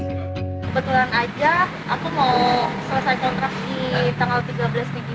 kebetulan aja aku mau selesai kontraksi tanggal tiga belas tinggi